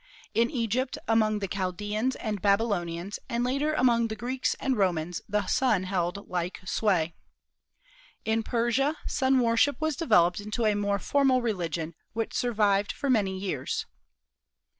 In Egypt, among the Chaldeans and Babylonians and later among the Greeks and Romans the Sun held like sway. In Persia, Sun worship was developed into a more formal religion, which survived for many years.